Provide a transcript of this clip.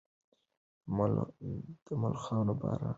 د ملخانو باران په ورېدو شو.